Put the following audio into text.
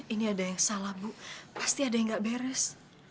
ini ada yang salah bu pasti ada yang gak beres